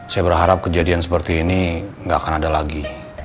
saya berharap kejadian seperti ini nggak akan ada lagi